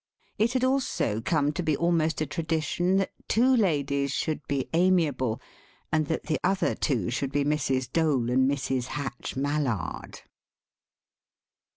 It had also come to be almost a tradition that two ladies should be amiable, and that the other two should be Mrs. Dole and Mrs. Hatch Mallard.